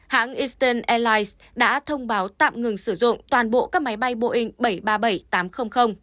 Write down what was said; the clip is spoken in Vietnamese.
hãng eastern airlines đã thông báo tạm ngừng sử dụng toàn bộ các máy bay boeing bảy trăm ba mươi bảy